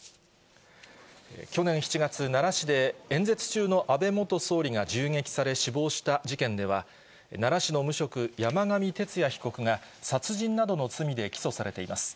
去年７月、奈良市で演説中の安倍元総理が銃撃され、死亡した事件では、奈良市の無職、山上徹也被告が殺人などの罪で起訴されています。